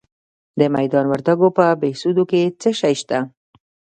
د میدان وردګو په بهسودو کې څه شی شته؟